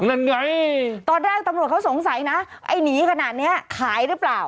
นั่นไงตอนแรกตำรวจเขาสงสัยนะไอ้หนีขนาดนี้ขายหรือเปล่า